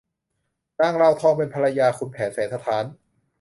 นางลาวทองเป็นภรรยาขุนแผนแสนสะท้าน